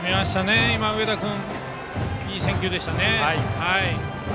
植田君、いい選球でした。